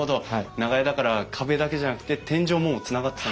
長屋だから壁だけじゃなくて天井もつながってた。